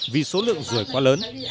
vì số lượng rùi quá lớn